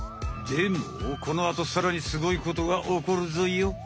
でもこのあとさらにすごいことがおこるぞよ。